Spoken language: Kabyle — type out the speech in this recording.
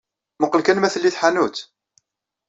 Muqqel kan ma telli tḥanut?